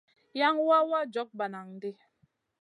Yan wawa jog bananʼ ɗi.